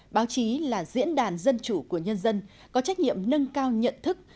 báo chí là diễn đàn dân chủ của nhân dân có trách nhiệm nâng cao nhận thức